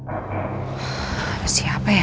ada siapa ya